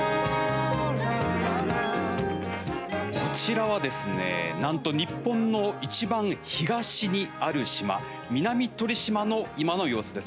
こちらはですね、なんと日本のいちばん東にある島南鳥島の今の様子です。